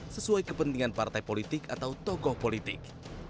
sesuai kepentingan partai politik atau tokoh politik